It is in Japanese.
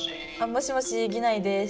もしもしギュナイです。